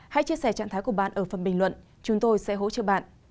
hãy chia sẻ trạng thái của bạn ở phần bình luận chúng tôi sẽ hỗ trợ bạn